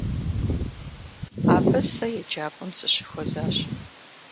Абы сэ еджапӏэм сыщыхуэзащ.